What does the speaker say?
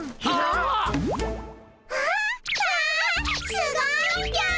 すごいぴょん。